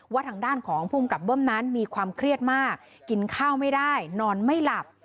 ทางด้านของภูมิกับเบิ้มนั้นมีความเครียดมากกินข้าวไม่ได้นอนไม่หลับ